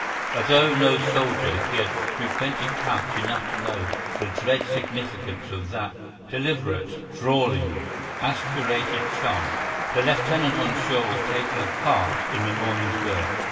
Although no soldier, he had frequented camps enough to know the dread significance of that deliberate, drawling, aspirated chant; the lieutenant on shore was taking a part in the morning's work.